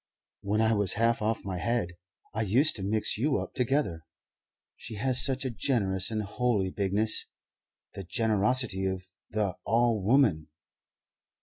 When I was half off my head I used to mix you up together. She has such a generous and holy bigness the generosity of the All woman."